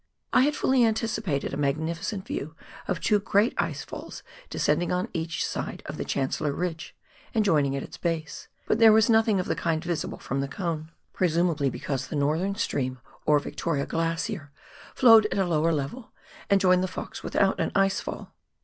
I had fully anticipated a magnificent view of two great ice falls descending on each side of the Chancellor Ridge, and joining at its base, but there was nothing of the kind visible from the Cone, presumably because 102 PIONEER WORK IN THE ALPS OF NEW ZEALAND. the northern stream, or Victoria Glacier, flowed at a lower level and joined the Fox without an ice fall.